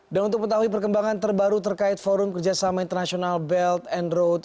dan untuk mengetahui perkembangan terbaru terkait forum kerjasama internasional belt and road